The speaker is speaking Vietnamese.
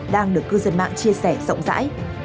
đang được cư dân mạng chia sẻ rộng rãi